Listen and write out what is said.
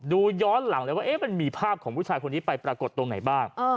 ดูย้อนหลังเลยว่ามันมีภาพของผู้ชายคนนี้ไปปรากฏตรงไหนบ้าง